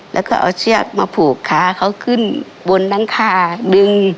แล้วก็เอาเชือกมาผูกขาเขาขึ้นบนหลังคาดึง